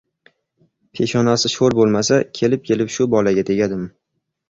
— Peshonasi sho‘r bo‘lmasa, kelib-kelib shu bolaga tegadimi?